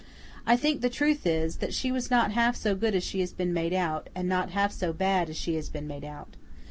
I think the truth is, that she was not half so good as she has been made out, and not half so bad as she has been made out.